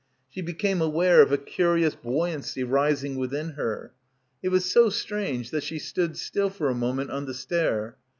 She became aware of a curious buoyancy rising within her. It was so strange that she stood still "for a moment on the stair.